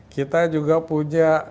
kita juga punya perusahaan